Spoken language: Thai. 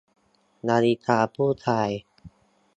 นาฬิกาผู้ชาย